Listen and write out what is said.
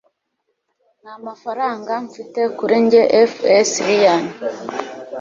Nta mafaranga mfite kuri njye FSLian